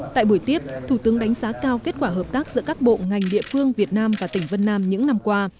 tại buổi tiếp thủ tướng đánh giá cao kết quả hợp tác giữa các bộ ngành địa phương việt nam và tỉnh vân nam những năm qua